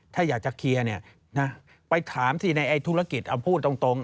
ถ้าอยากจะเคลียร์เนี่ยนะไปถามสิในธุรกิจเอาพูดตรง